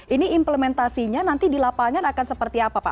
ini implementasinya nanti di lapangan akan seperti apa pak